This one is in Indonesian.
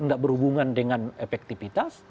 gak berhubungan dengan efektivitas